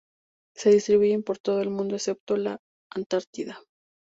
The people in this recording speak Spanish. Se distribuyen por todo el mundo excepto la Antártida.